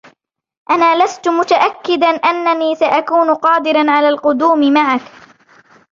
أنا لست متأكّداً أنّني سأكون قادراً على القدوم معك